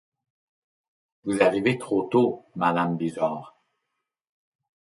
Vous arrivez trop tôt, madame Bijard !